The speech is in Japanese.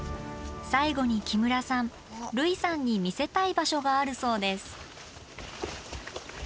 最後に木村さん類さんに見せたい場所があるそうです。